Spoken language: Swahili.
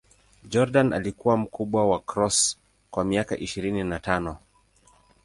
Jordan alikuwa mkubwa wa Cross kwa miaka ishirini na tano.